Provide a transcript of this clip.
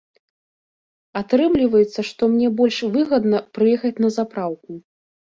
Атрымліваецца, што мне больш выгадна прыехаць на запраўку.